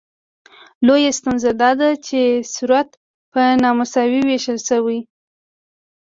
لویه ستونزه داده چې ثروت په نامساوي ویشل شوی.